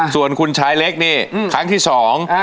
ส่วนคุณชายเล็กนี่ครั้งที่สอง